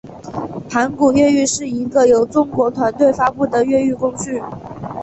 盘古越狱是第一个由中国团队发布的越狱工具。